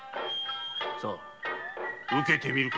さぁ受けてみるか。